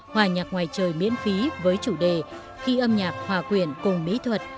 hòa nhạc ngoài trời miễn phí với chủ đề khi âm nhạc hòa quyện cùng mỹ thuật